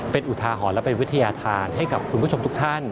เป็นอุทาหรณ์และเป็นวิทยาธารให้กับคุณผู้ชมทุกท่าน